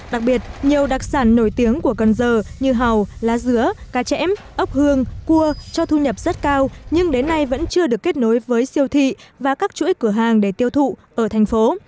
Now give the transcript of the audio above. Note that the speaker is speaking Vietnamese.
đặc biệt nhiều đặc sản nổi tiếng của cần giờ như hầu lá dứa cá chẽm ốc hương cua cho thu nhập rất cao nhưng đến nay vẫn chưa được kết nối với siêu thị và các chuỗi cửa hàng để tiêu thụ ở thành phố